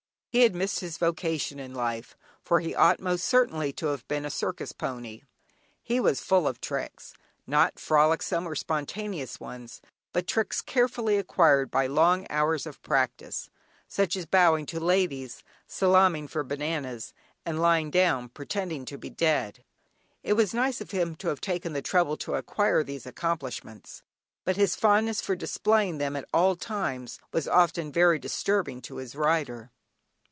He had missed his vocation in life, for he ought most certainly to have been a circus pony. He was full of tricks, not frolicsome or spontaneous ones, but tricks carefully acquired by long hours of practice, such as bowing to ladies, salaaming for bananas, and lying down, pretending to be dead. It was nice of him to have taken the trouble to acquire these accomplishments, but his fondness for displaying them at all times was often very disturbing to his rider.